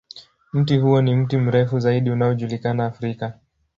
Mti huo ni mti mrefu zaidi unaojulikana Afrika.